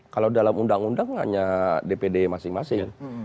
kalau dalam undang undang hanya dpd masing masing